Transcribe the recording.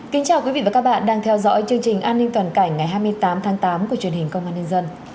kính chào quý vị và các bạn đang theo dõi chương trình an ninh toàn cảnh ngày hai mươi tám tháng tám của truyền hình công an nhân dân